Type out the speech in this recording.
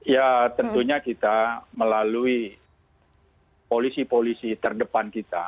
ya tentunya kita melalui polisi polisi terdepan kita